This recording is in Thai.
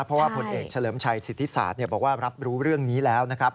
เพราะว่าผลเอกเฉลิมชัยสิทธิศาสตร์บอกว่ารับรู้เรื่องนี้แล้วนะครับ